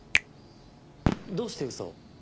どうして嘘を？